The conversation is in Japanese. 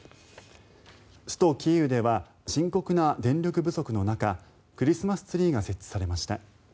首都キーウでは深刻な電力不足の中クリスマスツリーが設置されました。